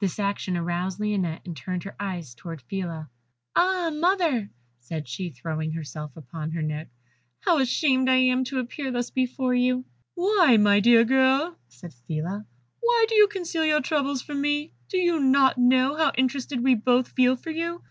This action aroused Lionette, and turning her eyes towards Phila, "Ah, mother!" said she, throwing herself upon her neck, "how ashamed I am to appear thus before you." "Why, my dear girl," said Phila, "why do you conceal your troubles from me? Do you not know how interested we both feel for you?